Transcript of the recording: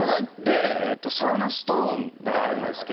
サウナストーンがあるんですよ